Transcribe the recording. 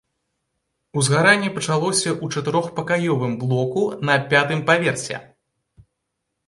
Узгаранне пачалося ў чатырохпакаёвым блоку на пятым паверсе.